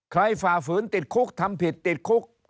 ฝ่าฝืนติดคุกทำผิดติดคุก